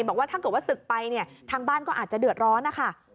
บอกว่าถ้าเกิดว่าศึกไปเนี่ยทางบ้านก็อาจจะเดือดร้อนนะคะ